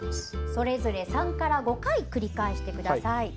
それぞれ３から５回繰り返してください。